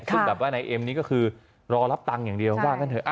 ซึ่งแบบว่านายเอ็มนี้ก็คือรอรับตังค์อย่างเดียวว่ากันเถอะ